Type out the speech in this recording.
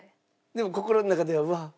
でも心の中ではうわっ。